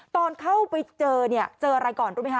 ตอนเข้าไปเจอเนี่ยเจออะไรก่อนรู้ไหมคะ